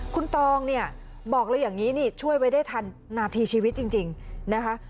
คุณตองเนี่ยบอกเลยอย่างนี้นี่ช่วยไว้ได้ทันนาทีชีวิตจริงนะคะ